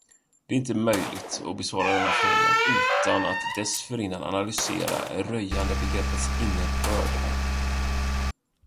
Det är inte möjligt att besvara denna fråga utan att dessförinnan analysera röjandebegreppets innebörd.